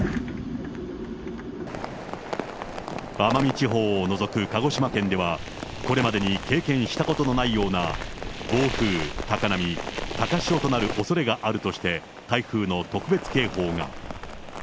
奄美地方を除く鹿児島県では、これまでに経験したことのないような暴風、高波、高潮となるおそれがあるとして、台風の特別警報が。